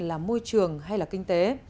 là môi trường hay là kinh tế